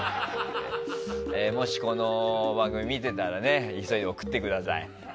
もし、この番組を見てたら急いで送ってください。